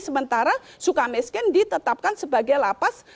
sementara suka miskin ditetapkan sebagai lapas